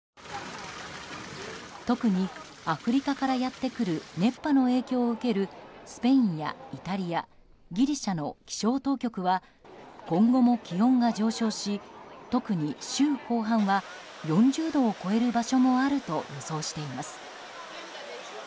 特に、アフリカからやってくる熱波の影響を受けるスペインやイタリアギリシャの気象当局は今後も気温が上昇し特に週後半は４０度を超える場所もあると予想しています。